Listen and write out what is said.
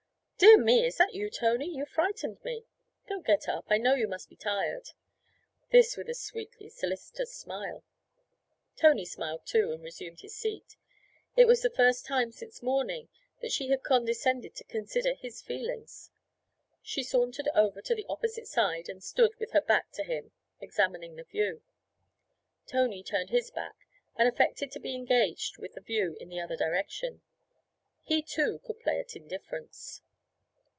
'Dear me, is that you, Tony? You frightened me! Don't get up; I know you must be tired.' This with a sweetly solicitous smile. Tony smiled too and resumed his seat; it was the first time since morning that she had condescended to consider his feelings. She sauntered over to the opposite side and stood with her back to him examining the view. Tony turned his back and affected to be engaged with the view in the other direction; he too could play at indifference.